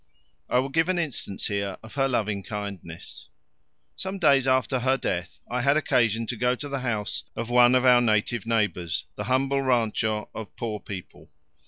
I will give an instance here of her loving kindness. Some days after her death I had occasion to go to the house of one of our native neighbours the humble rancho of poor people.